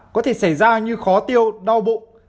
có thể xảy ra như khó tiêu đau bụng